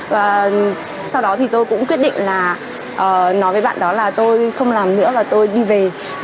và sau đó thì tôi cũng quyết định là nói với bạn đó là tôi không làm nữa và tôi đi về